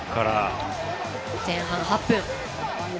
前半８分。